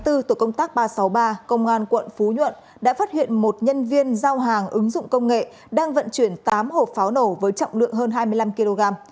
tổ công tác ba trăm sáu mươi ba công an quận phú nhuận đã phát hiện một nhân viên giao hàng ứng dụng công nghệ đang vận chuyển tám hộp pháo nổ với trọng lượng hơn hai mươi năm kg